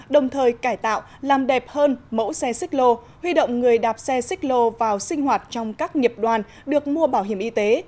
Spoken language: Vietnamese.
đồng thời cải tạo làm đẹp hơn mẫu xe xích lô huy động người đạp xe xích lô vào sinh hoạt trong các nghiệp đoàn được mua bảo hiểm y tế